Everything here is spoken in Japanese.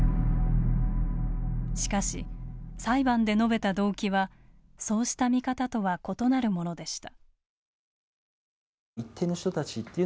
しかし、裁判で述べた動機はそうした見方とは異なるものでした。